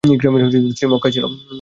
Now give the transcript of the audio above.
ইকরামার স্ত্রী মক্কায় ছিল।